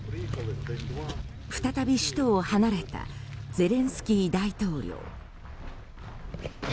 再び首都を離れたゼレンスキー大統領。